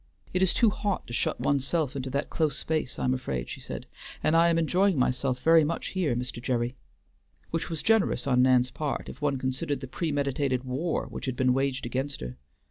"It is too hot to shut one's self into that close place, I am afraid," she said. "And I am enjoying myself very much here, Mr. Gerry." Which was generous on Nan's part, if one considered the premeditated war which had been waged against her.